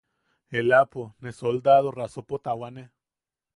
Ellaʼapo ne soldado raasopo tawane.